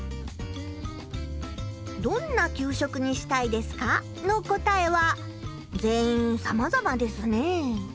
「どんな給食にしたいですか？」の答えは全員さまざまですねえ。